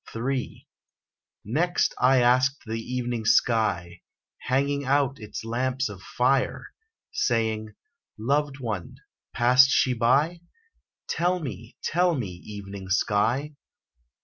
III. Next I asked the evening sky, Hanging out its lamps of fire; Saying, "Loved one, passed she by? Tell me, tell me, evening sky!